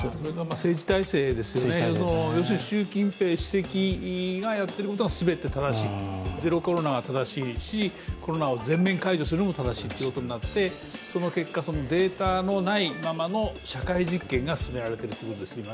政治体制ですよね、要するに習近平主席がやっていることが全て正しい、ゼロコロナが正しいしコロナを全面解除するのも正しいということになってその結果、データのないままの社会実験が進められているんですよね、今。